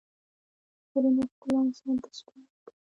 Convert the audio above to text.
د غرونو ښکلا انسان ته سکون ورکوي.